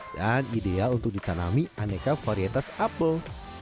dan ideal untuk ditanami aneka varietas apel